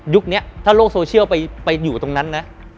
นี้ถ้าโลกโซเชียลไปอยู่ตรงนั้นนะ